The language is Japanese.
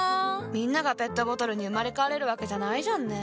みんながペットボトルに生まれ変われるわけじゃないじゃんね。